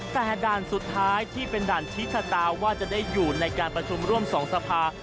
แต่ด่านสุดท้ายที่เป็นด่านชี้ชะตาว่าจะได้อยู่ในการประชุมร่วม๒สภา